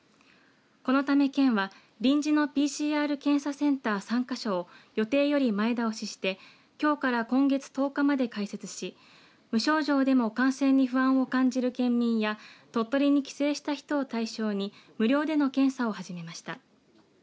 このため県は臨時のＰＣＲ検査センター３か所を予定より前倒ししてきょうから今月１０日まで開設し無症状でも感染に不安を感じる県民や鳥取に帰省した人を対象に無料での検査を始めました。